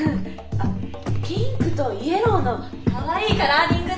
あっピンクとイエローのかわいいカラーリングで！